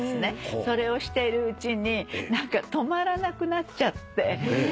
それをしてるうちに何か止まらなくなっちゃって。